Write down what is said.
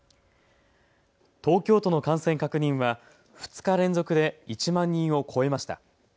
東京都の感染確認は２日連続で１万人を超えました。